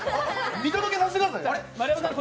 見届けさせてくださいよ！